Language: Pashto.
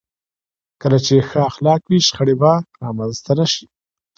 کله چې ښو اخلاق وي، شخړې به رامنځته نه شي.